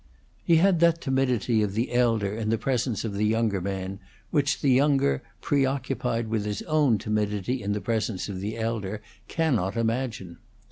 He had that timidity of the elder in the presence of the younger man which the younger, preoccupied with his own timidity in the presence of the elder, cannot imagine.